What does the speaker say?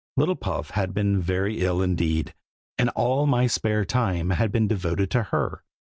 Little Puff had been very ill indeed, and all my spare time had been devoted to her.